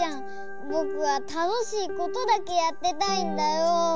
ぼくはたのしいことだけやってたいんだよ。